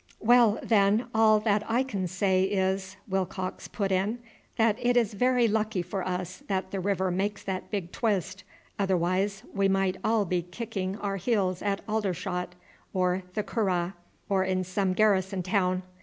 "Well, then, all that I can say is," Willcox put in, "that it is very lucky for us that the river makes that big twist, other wise we might be all kicking our heels at Aldershot or the Curragh, or in some garrison town.